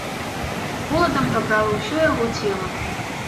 Холадам прабрала ўсё яго цела.